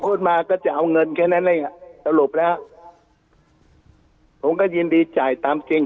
มาก็จะเอาเงินแค่นั้นเองอ่ะสรุปแล้วผมก็ยินดีจ่ายตามจริง